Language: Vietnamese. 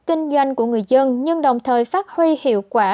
kinh doanh của người dân nhưng đồng thời phát huy hiệu quả